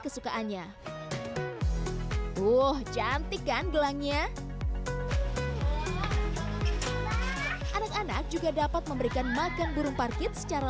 kesukaannya uh cantik kan gelangnya anak anak juga dapat memberikan makan burung parkir secara